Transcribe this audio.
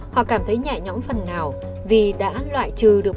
họ cảm thấy nhẹ nhõm phần nào vì đã loại trừ được